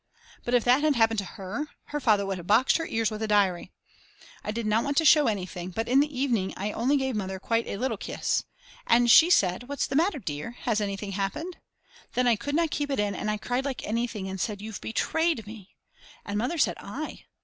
But if that had happened to her, her father would have boxed her ears with the diary. I did not want to show anything, but in the evening I only gave Mother quite a little kiss. And she said, what's the matter, dear? has anything happened? Then I could not keep it in and I cried like anything and said: You've betrayed me. And Mother said: "I?"